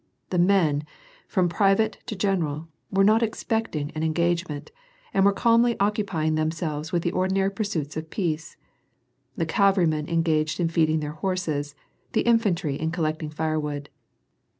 The men, from pri vate to general, were not expecting an engagement, and were calmly occupying themselves with the ordinary i)ursuits of peace; the cavalrymen engaged in feeding their hoi ses, the infantry in collecting firewood.